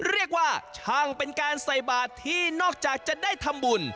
เรียกว่าช่างเป็นการใส่บาทที่นอกจากจะได้ทำบุญ